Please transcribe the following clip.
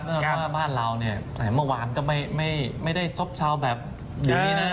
ก็ว่าบ้านเราเนี่ยเมื่อวานก็ไม่ได้เจาะแบบดีนะ